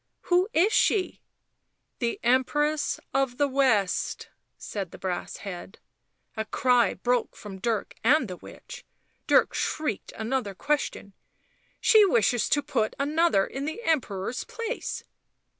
" Who is she ?"" The Empress of the West," said the brass head. A cry broke from Dirk and the witch ; Dirk shrieked another question. " She wishes to put another in the Emperor's place?"